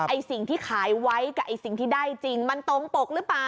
ไอ้สิ่งที่ขายไว้กับไอ้สิ่งที่ได้จริงมันตรงปกหรือเปล่า